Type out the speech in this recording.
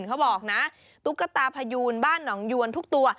เขาบอกนะตุ๊กตาพยูนบ้านหนองยวนทุกตัว